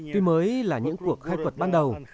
tuy mới là những cuộc khai quật ban đầu